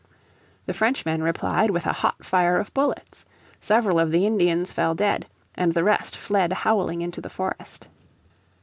The Frenchmen replied with a hot fire of bullets. Several of the Indians fell dead, and the rest fled howling into the forest.